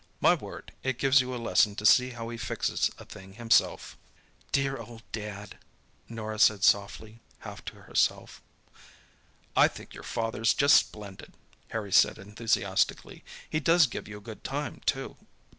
My word, it gives you a lesson to see how he fixes a thing himself." "Dear old Dad," said Norah softly, half to herself. "I think your father's just splendid," Harry said enthusiastically. "He does give you a good time, too."